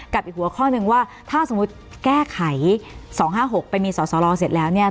อีกหัวข้อหนึ่งว่าถ้าสมมุติแก้ไข๒๕๖ไปมีสอสรเสร็จแล้วเนี่ย